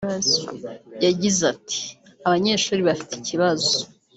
yagize ati “Abanyeshuri bafite ikibazo